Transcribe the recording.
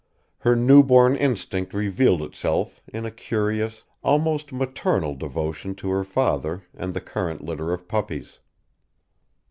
Her new born instinct revealed itself in a curious, almost maternal devotion to her father and the current litter of puppies.